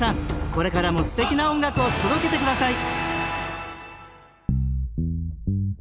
これからもすてきな音楽を届けてください